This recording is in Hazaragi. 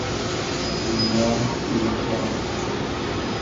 دونیا ، نئقلا